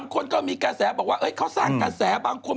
คนก็มีกระแสบอกว่าเขาสร้างกระแสบางคน